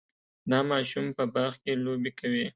دا ماشوم په باغ کې لوبې کوي.